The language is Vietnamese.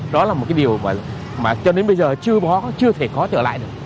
đó là một cái điều mà cho đến bây giờ chưa bó chưa thể khó trở lại được